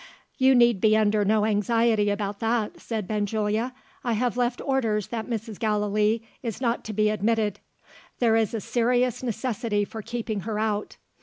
"You need be under no anxiety about that," said Benjulia. "I have left orders that Mrs. Gallilee is not to be admitted. There is a serious necessity for keeping her out.